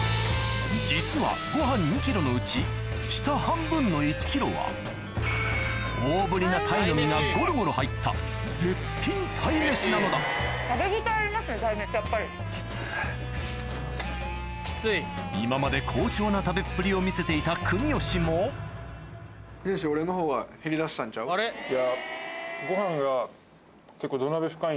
実はご飯２ｋｇのうち下半分の１ｋｇは大ぶりな鯛の身がゴロゴロ入った絶品鯛めしなのだ今まで好調な食べっぷりを見せていた国吉もいや。